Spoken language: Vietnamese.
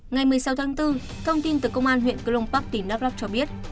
ngày một mươi sáu tháng bốn thông tin từ công an huyện cửa lông bắc tỉnh đắk lắk cho biết